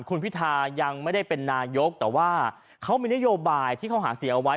คุณพิทายังไม่ได้เป็นนายกแต่ว่าเขามีนโยบายที่เขาหาเสียเอาไว้